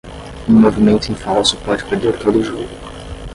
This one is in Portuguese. Um movimento em falso pode perder todo o jogo.